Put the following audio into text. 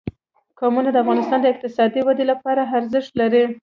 قومونه د افغانستان د اقتصادي ودې لپاره ارزښت لري.